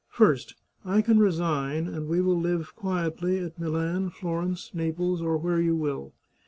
First, I can resign, and we will live quietly at Milan, Florence, Naples, or where you will.